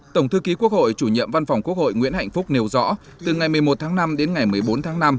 tổng thư ký quốc hội chủ nhiệm văn phòng quốc hội nguyễn hạnh phúc nêu rõ từ ngày một mươi một tháng năm đến ngày một mươi bốn tháng năm